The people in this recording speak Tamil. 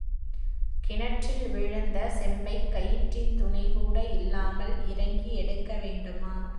கிணற்றில் விழுந்த செம்பைக் கயிற்றின் துணைகூட இல்லாமல் இறங்கி எடுக்க வேண்டுமா?